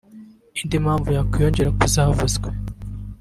Indi mpamvu yakwiyongera kuzavuzwe